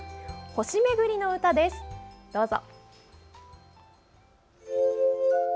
「星めぐりの歌」です、どうぞ。